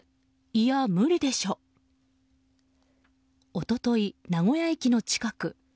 一昨日、名古屋駅の近く。